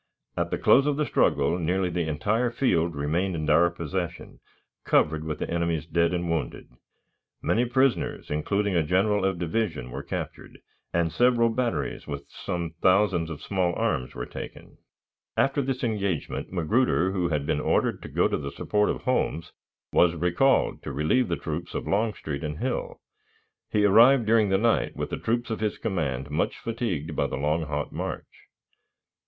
At the close of the struggle nearly the entire field remained in our possession, covered with the enemy's dead and wounded. Many prisoners, including a general of division, were captured, and several batteries with some thousands of small arms were taken. After this engagement, Magruder, who had been ordered to go to the support of Holmes, was recalled, to relieve the troops of Longstreet and Hill. He arrived during the night, with the troops of his command much fatigued by the long, hot march.